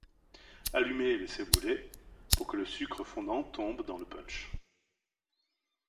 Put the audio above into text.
Allumer et laisser brûler, pour que le sucre fondant tombe dans le punch.